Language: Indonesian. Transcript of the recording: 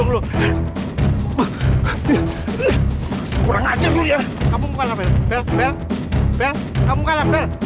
kamu kalah bel